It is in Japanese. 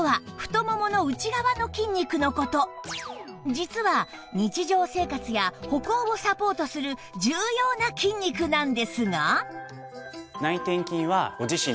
実は日常生活や歩行をサポートする重要な筋肉なんですが